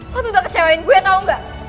aku tuh udah kecewain gue tau gak